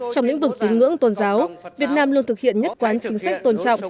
trong lĩnh vực tín ngưỡng tôn giáo việt nam luôn thực hiện nhất quán chính sách tôn trọng